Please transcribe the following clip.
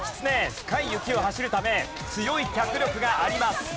深い雪を走るため強い脚力があります。